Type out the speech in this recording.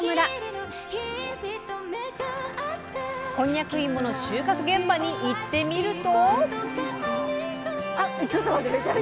こんにゃく芋の収穫現場に行ってみると。